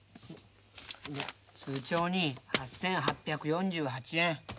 通帳に８，８４８円。